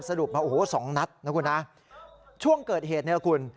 สรุปมาโอ้โหสองนัดนะคุณนะช่วงเกิดเหตุเนี่ยคุณ